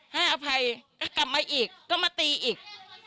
ให้อภัยก็กลับมาอีกก็มาตีอีก